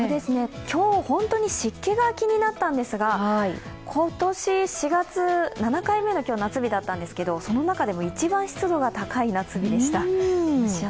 今日、本当に湿気が気になったんですが、今年４月、今日７回目の夏日だったんですけど、その中でも一番湿度が高い夏日でした。